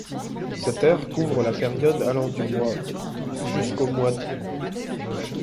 Cette ère couvre la période allant du mois d' jusqu'au mois d'.